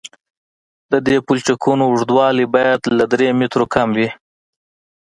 د دې پلچکونو اوږدوالی باید له درې مترو کم وي